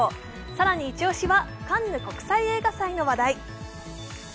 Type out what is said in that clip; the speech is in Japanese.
更にイチオシは、カンヌ国際映画祭の話題。